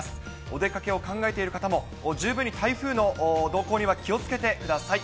お出かけを考えている方も、十分に台風の動向には気をつけてください。